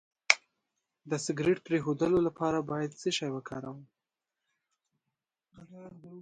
د سګرټ د پرېښودو لپاره باید څه شی وکاروم؟